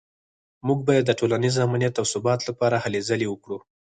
موږ باید د ټولنیز امنیت او ثبات لپاره هلې ځلې وکړو